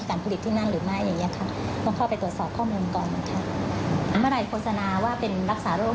ถ้าเกิดว่ารักษาโรคต้องเข้าขายยาละต้องมาขออนุญาตผลิตเป็นยาครับ